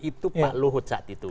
itu pak luhut saat itu